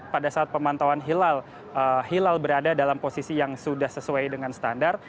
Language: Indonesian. pada saat pemantauan hilal hilal berada dalam posisi yang sudah sesuai dengan standar